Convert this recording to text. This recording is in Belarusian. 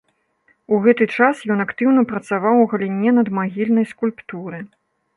У гэты час ён актыўна працаваў у галіне надмагільнай скульптуры.